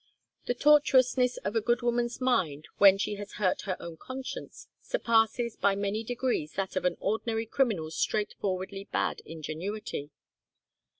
The tortuousness of a good woman's mind when she has hurt her own conscience surpasses by many degrees that of an ordinary criminal's straightforwardly bad ingenuity.